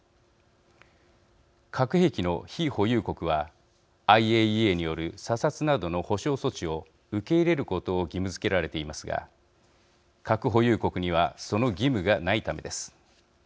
核兵器の非保有国はＩＡＥＡによる査察などの保障措置を受け入れることを義務づけられていますが核保有国にはその義務がないためです。